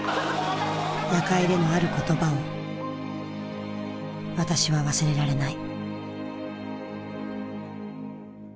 夜会でのある言葉を私は忘れられない。